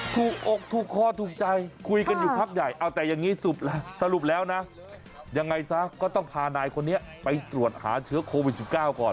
ทุกอกทุกข้อทุกใจคุยกันนักภาพใหญ่เอาแต่อย่างงี้สรุปสรุปแล้วนะะยังไงซะก็ต้องพานายคนเนี่ยไปตรวจหาเชื้อโควิด๑๙ก่อน